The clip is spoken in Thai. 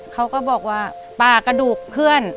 เขาก็บอกว่าปลากระดูกเพื่อน